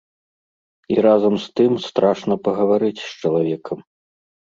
І разам з тым страшна пагаварыць з чалавекам.